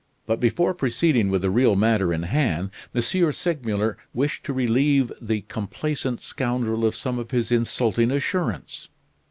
But before proceeding with the real matter in hand, M. Segmuller wished to relieve the complacent scoundrel of some of his insulting assurance.